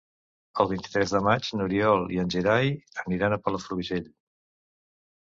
El vint-i-tres de maig n'Oriol i en Gerai aniran a Palafrugell.